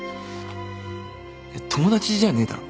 友達じゃねえだろ。